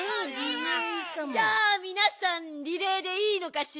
じゃあみなさんリレーでいいのかしら？